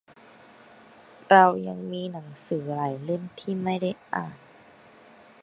เรายังมีหนังสือหลายเล่มที่ไม่ได้อ่าน